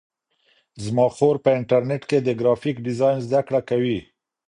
زما خور په انټرنیټ کې د گرافیک ډیزاین زده کړه کوي.